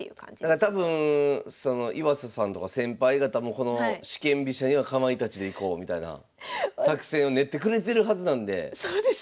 だから多分岩佐さんとか先輩方もこの四間飛車にはかまいたちでいこうみたいな作戦を練ってくれてるはずなんでそうですね。